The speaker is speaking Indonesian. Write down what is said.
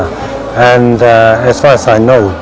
dan sejauh yang saya tahu